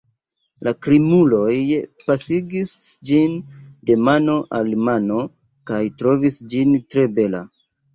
La krimuloj pasigis ĝin de mano al mano, kaj trovis ĝin tre bela.